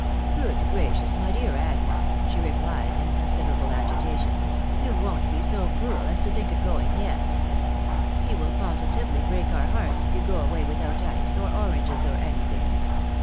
" Good gracious, my dear Agnes !" she replied, in consider able agitation ;" you won't be so cruel as to think of going yet? You will positively break oijr hearts if you go away without ice, or oranges, or anything.